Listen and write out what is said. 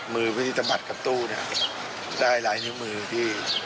มือวิธีสะบัดกับตู้เนี่ยได้ลายนิ้วมือที่